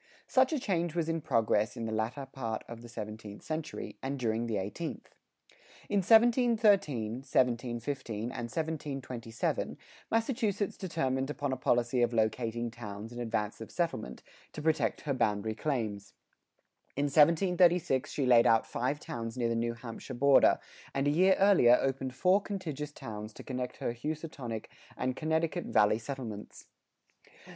Such a change was in progress in the latter part of the seventeenth century and during the eighteenth. In 1713, 1715, and 1727, Massachusetts determined upon a policy of locating towns in advance of settlement, to protect her boundary claims. In 1736 she laid out five towns near the New Hampshire border, and a year earlier opened four contiguous towns to connect her Housatonic and Connecticut Valley settlements.